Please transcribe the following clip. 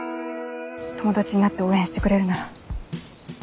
友達になって応援してくれるなら。